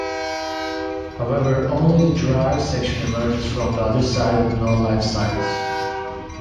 However, only the drive section emerges from the other side with no life signs.